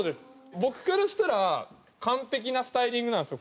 僕からしたら完璧なスタイリングなんですよ